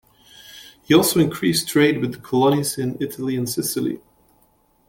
He also increased trade with the colonies in Italy and Sicily.